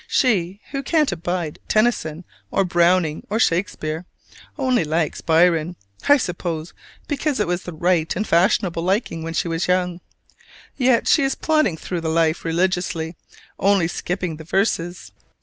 she who "can't abide" Tennyson or Browning or Shakespeare: only likes Byron, I suppose because it was the right and fashionable liking when she was young. Yet she is plodding through the Life religiously only skipping the verses.